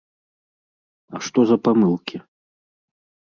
А што за памылкі?